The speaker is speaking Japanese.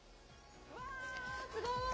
うわあ、すごい。